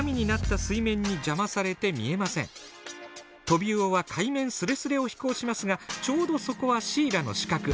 トビウオは海面すれすれを飛行しますがちょうどそこはシイラの死角。